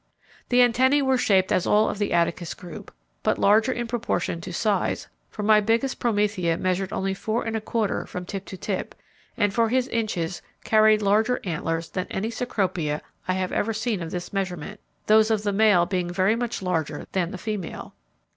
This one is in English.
The antennae were shaped as all of the Attacus group, but larger in proportion to size, for my biggest Promethea measured only four and a quarter from tip to tip, and for his inches carried larger antlers than any Cecropia I ever saw of this measurement, those of the male being very much larger than the female.